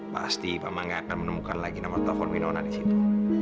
pasti mama gak akan menemukan lagi nama telpon winona disitu